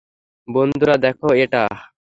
বন্ধুরা, দেখো এটা!